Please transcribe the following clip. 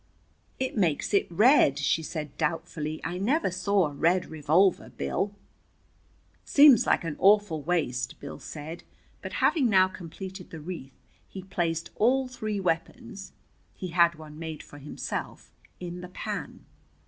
"It makes it red," she said doubtfully. "I never saw a red revolver, Bill." "Seems like an awful waste," Bill said. But having now completed the wreath he placed all three weapons he had made one for himself in the pan.